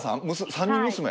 ３人娘？